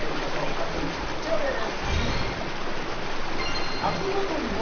シカクイズ、こちらです。